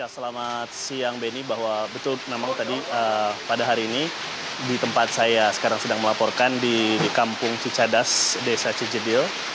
selamat siang benny bahwa betul memang tadi pada hari ini di tempat saya sekarang sedang melaporkan di kampung cicadas desa cijedil